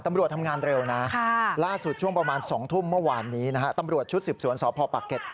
ตำรวจทำงานเร็วนะล่าสุดช่วงประมาณ๒ทุ่มเมื่อวานนี้นะฮะตำรวจชุดสืบสวนสพปะเก็ต